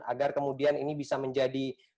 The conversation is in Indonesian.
agar kemudian ini bisa menjadi